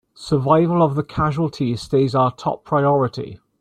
Survival of the casualties stays our top priority!